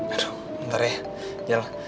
aduh bentar ya angel